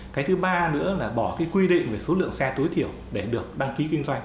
cái thứ ba nữa là bỏ cái quy định về số lượng xe tối thiểu để được đăng ký kinh doanh